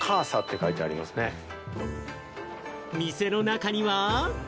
店の中には。